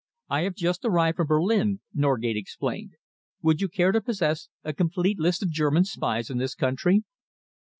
"I have just arrived from Berlin," Norgate explained. "Would you care to possess a complete list of German spies in this country?"